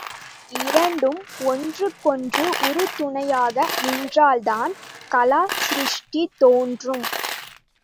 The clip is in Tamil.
இரண்டும் ஒன்றுக்கொன்று உறுதுணையாக நின்றால்தான் கலா சிருஷ்டி தோன்றும்.